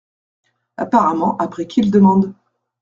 Apparemment après qui le demande !